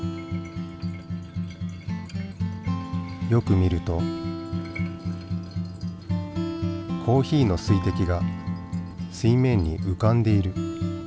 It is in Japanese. よく見るとコーヒーの水滴が水面にうかんでいる。